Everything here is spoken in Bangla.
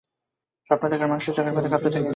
স্বপ্ন দেখার সময় মানুষের চোখের পাতা কাঁপতে থাকে।